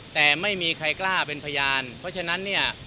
แต่ไม่มีใครกล้าเป็นพยานเพราะฉะนั้นเนี่ย